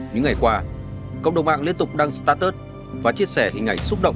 những ngày qua cộng đồng mạng liên tục đăng status và chia sẻ hình ảnh xúc động